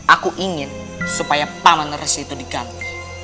aku ingin supaya pak manersi itu diganti